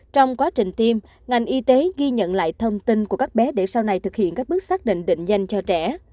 trong quá trình tiêm ngành y tế ghi nhận lại thông tin của các bé để sau này thực hiện các bước xác định định danh cho trẻ